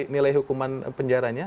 nilai hukuman penjaranya